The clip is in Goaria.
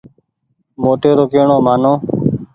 موٽي رو ڪي ڻو مآنو۔